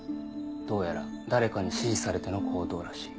どうやら誰かに指示されての行動らしい。